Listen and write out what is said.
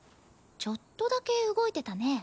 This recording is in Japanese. ちょっとだけ動いてたね。